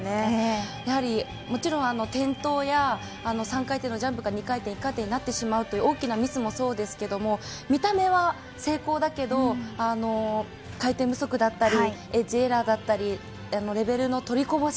やはり、もちろん転倒や３回転のジャンプが２回転、１回転になってしまうという大きなミスもそうですけど見た目は成功だけど回転不足であったりエッジエラーであったりレベルの取りこぼし